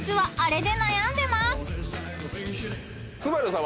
昴さん